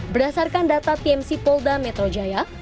berdasarkan data tmc polda metro jaya